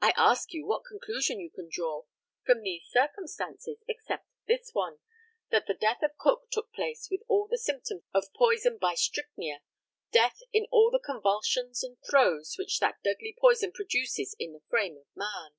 I ask you what conclusion you can draw from these circumstances, except this one, that the death of Cook took place with all the symptoms of poison by strychnia death in all the convulsions and throes which that deadly poison produces in the frame of man.